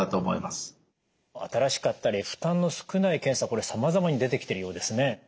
新しかったり負担の少ない検査これさまざまに出てきてるようですね。